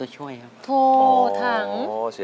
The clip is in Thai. ใช้